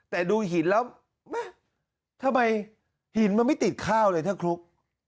แต่ดูหินแล้วแม่ทำไมหินมันไม่ติดข้าวเลยถ้าคลุก